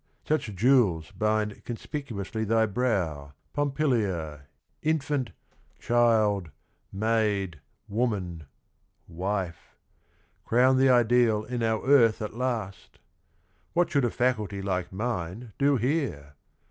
Such jewels bind conspicuously thy brow, Pompilia, infant, child, maid, woman, wife — Crown the ideal in our earth at last 1 What should a faculty like mine do here?